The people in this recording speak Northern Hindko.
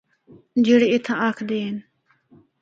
جِڑّے اِتھّا آ ہکدے ہن۔